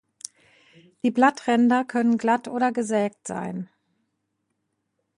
Die Blattränder können glatt oder gesägt sein.